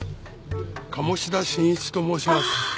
鴨志田新一と申します。